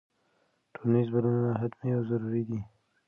ټولنیز بدلونونه حتمي او ضروري دي.